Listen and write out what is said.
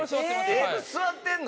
えっ？座ってんの？